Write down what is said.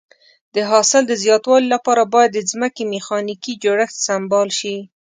د حاصل د زیاتوالي لپاره باید د ځمکې میخانیکي جوړښت سمبال شي.